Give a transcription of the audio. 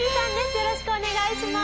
よろしくお願いします。